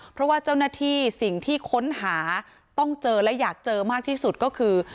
เพราะว่าเจ้าหน้าที่สิ่งที่ค้นหาต้องเจอและอยากเจอมากที่สุดก็คือ